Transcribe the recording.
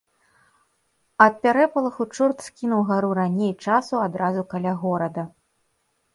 Ад пярэпалаху чорт скінуў гару раней часу адразу каля горада.